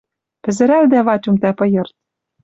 Пӹзӹрӓлдӓ Ватюм тӓ пыйырт...